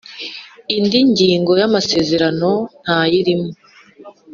Indi ngingo y ‘amasezerano ntayirimo.